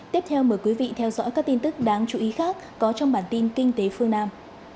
tiếp theo mời quý vị theo dõi các tin tức đáng chú ý khác có trong bản tin kinh tế phương nam